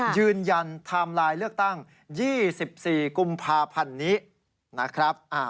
ยืนยันไทม์ไลน์เลือกตั้ง๒๔กุมภาพันธ์นี้นะครับ